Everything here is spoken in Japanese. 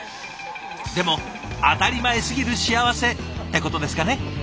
でも当たり前すぎる幸せってことですかね。